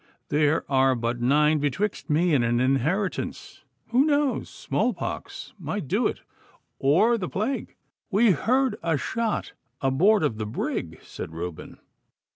There are but nine betwixt me and an inheritance. Who knows? Small pox might do it, or the plague!' 'We heard a shot aboard of the brig,' said Reuben.